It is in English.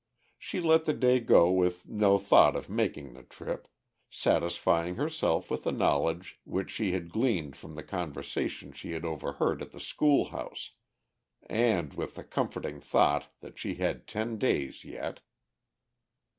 She let the day go with no thought of making the trip, satisfying herself with the knowledge which she had gleaned from the conversation she had overheard at the schoolhouse, and with the comforting thought that she had ten days yet.